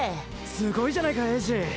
すごいじゃないか英二！